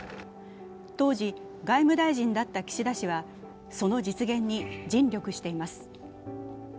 当時外務大臣だった岸田氏は、その実現に尽力しています。